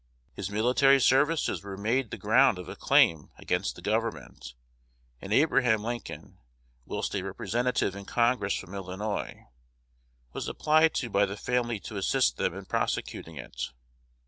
His military services were made the ground of a claim against the government, and Abraham Lincoln, whilst a representative in Congress from Illinois, was applied to by the family to assist them in prosecuting it.